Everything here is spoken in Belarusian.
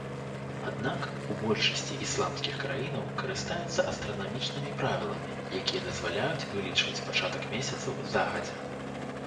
Аднак, у большасці ісламскіх краінаў карыстаюцца астранамічнымі правіламі, якія дазваляюць вылічваць пачатак месяцаў загадзя.